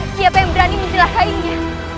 siapa yang berani menyerahkainya